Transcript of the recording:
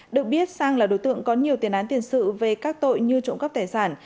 được biết sang là đối tượng có nhiều tiền án tiền sự về các tội như trộm cắp tài sản